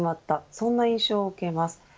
そんな印象を受けます。